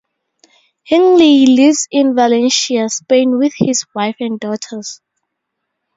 Hingley lives in Valencia, Spain with his wife and daughters.